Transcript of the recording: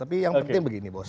tapi yang penting begini bos